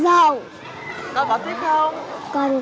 có có tiếp không